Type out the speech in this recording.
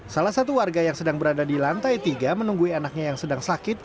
salah satu warga yang sedang berada di lantai tiga menunggu anaknya yang sedang sakit